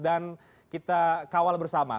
dan kita kawal bersama